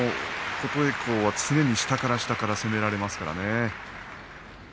琴恵光は常に下から下から攻め上げますね。